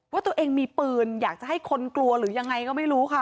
ว่าตัวเองมีปืนอยากจะให้คนกลัวหรือยังไงก็ไม่รู้ค่ะ